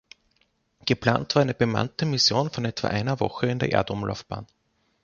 Geplant war eine bemannte Mission von etwa einer Woche in der Erdumlaufbahn.